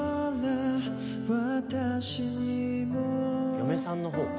嫁さんの方か。